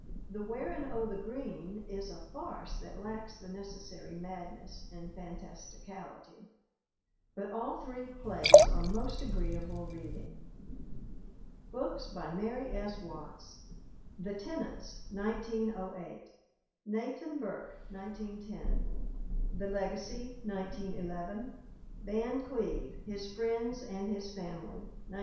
The Wearin' 0' The Green is' a farce that lacks the necessary madness and fantasticality. But all three plays are most agreeable reading. . BOOKS BY MARY S. WATTS The Tenants, 1908. Nathan Burke, 1910. The Legacy, 1911. Van Cleve: His Friends and His Family, 1913.